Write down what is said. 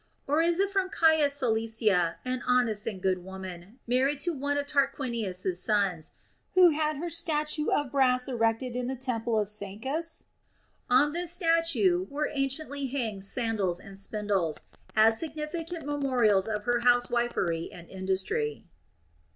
Or is it from Caia Secilia, an honest and good woman, married to one of Tarquinius's sons, who had her statue of brass erected in the temple of Sancusl On this statue were anciently hanged sandals and spindles, as significant memo rials of her housewifery and industry.